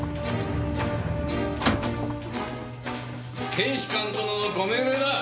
検視官殿のご命令だ。